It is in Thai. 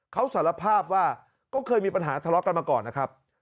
เขาสารภาพว่าก็เคยมีปัญหาทะเลาะกันมาก่อนนะครับ